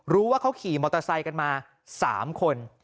รู้ว่าเขาขี่มอเตอร์ไซค์กันมา๓คน